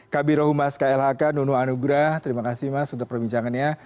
kb rohumas klhk nuno anugrah terima kasih mas untuk perbincangannya